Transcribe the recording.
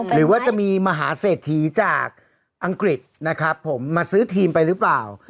หรือว่าจะมีมหาเศรษฐีจากอังกฤษนะครับผมมาซื้อทีมไปหรือเปล่า